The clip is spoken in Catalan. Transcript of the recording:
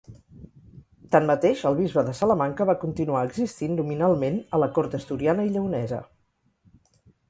Tanmateix, el bisbe de Salamanca va continuar existint nominalment a la cort asturiana i lleonesa.